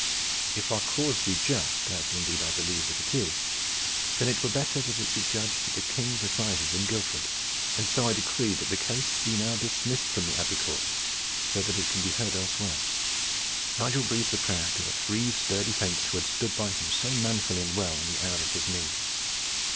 If our cause be just, as indeed I believe that it is, then it were better that it be judged at the King's assizes at Guildford, and so I decree that the case be now dismissed from the Abbey court so that it can be heard elsewhere." Nigel breathed a prayer to the three sturdy saints who had stood by him so manfully and well in the hour of his need.